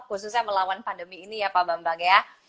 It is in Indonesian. khususnya melawan pandemi ini ya pak bambang ya